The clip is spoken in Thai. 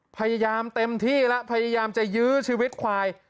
พยายามเต็มที่แล้วพยายามจะยื้อชีวิตควาย